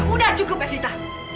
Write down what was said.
udah cukup evita